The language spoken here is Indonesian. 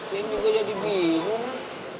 daddy juga jadi bingung